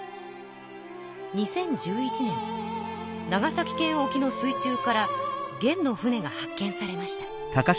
２０１１年長崎県沖の水中から元の船が発見されました。